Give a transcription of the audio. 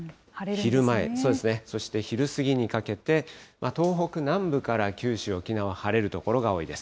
昼前、そして昼過ぎにかけて、東北南部から九州、沖縄、晴れる所が多いです。